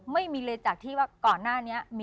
ไม่มีเลยจากที่ว่าก่อนหน้านี้